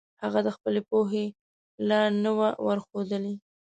هغه د خپلې پوهې لار نه وي ورښودلي.